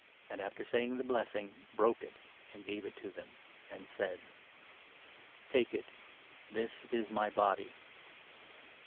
and, after saying the blessing, broke it, and gave it to them, and said : "Take it ; this is my body."